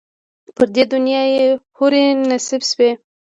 پر دې دنیا یې حوري نصیب سوې